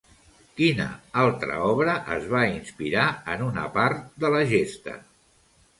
Quina altra obra es va inspirar en una part de la Gesta?